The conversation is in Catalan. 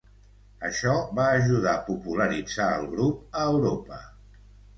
Això va ajudar a popularitzar el grup a Europa.